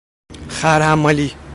خرحمالی